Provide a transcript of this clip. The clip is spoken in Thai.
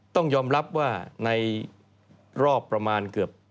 ต้องยอมรับว่าในรอบประมาณเกือบ